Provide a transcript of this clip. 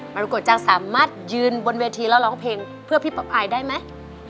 รุโกจังสามารถยืนบนเวทีแล้วร้องเพลงเพื่อพี่ป๊อปอายได้ไหม